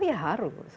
oh ya harus